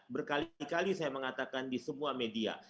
berkali kali saya mengatakan di semua media